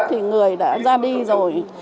thì người đã ra đi rồi